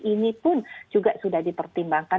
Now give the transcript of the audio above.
ini pun juga sudah dipertimbangkan